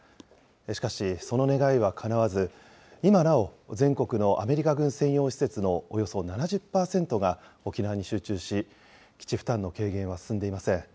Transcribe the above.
しかし、その願いはかなわず、今なお、全国のアメリカ軍専用施設のおよそ７０％が沖縄に集中し、基地負担の軽減は進んでいません。